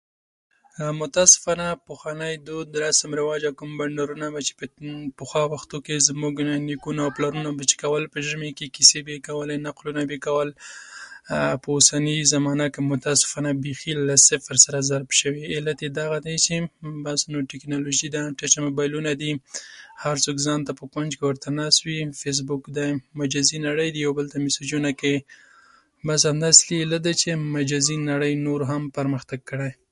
متاسفانه پخوانی دود، رسم، رواج چې کوم په پخوا وختونو کې، چې زموږ نیکونو او پلرونو به چې کومې کیسې به یې کولې، نکلونه به یې کول، په اوسني زمانه کې متاسفانه بیخي له صفر سره ضرب شوي. علت یې دغه دی چې تکنالوژي ده، ټچ موبایلونه دي، هر څوک ځانته په کونج کې ورته ناست وي، فیسبوک دی، مجازي نړۍ ده، یو بل ته مسیجونه کوي. بس همدا علت دی چې مجازي نړۍ نور هم پرمختګ کړی.